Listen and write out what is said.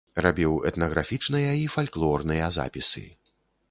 Рабіў этнаграфічныя і фальклорныя запісы.